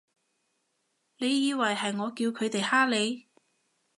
你以為係我叫佢哋㗇你？